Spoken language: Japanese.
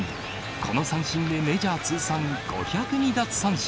この三振でメジャー通算５０２奪三振。